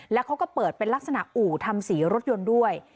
แล้วเขาก็เปิดเป็นลักษณะอู่ทำสีรถยนต์ด้วย